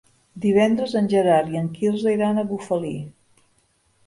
Divendres en Gerard i en Quirze iran a Bufali.